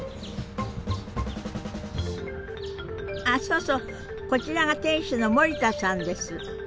あそうそうこちらが店主の森田さんです。